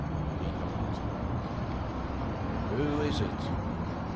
He knocked. 'Who is it?